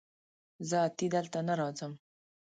زه اتي دلته نه راځم